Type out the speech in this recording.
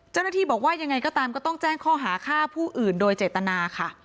เจ้าหน้าที่บอกว่ายังไงก็ตามก็ต้องแจ้งข้อหาฆ่าผู้อื่นโดยเจตนาค่ะ